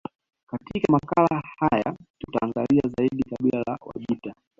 Katika makala haya tutaangalia zaidi kabila la Wajita